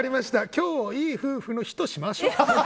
今日をいい夫婦の人しましょう。